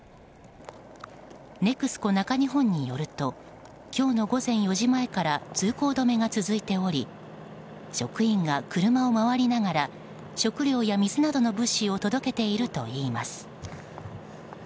ＮＥＸＣＯ中日本によると今日の午前４時前から通行止めが続いており職員が車を回りながら食料や水などの物資を届けているといいます。